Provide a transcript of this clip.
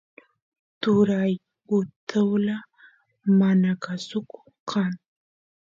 turay utula manakusuko kan